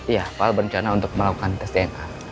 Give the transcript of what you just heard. iya pak al berencana untuk melakukan tes dna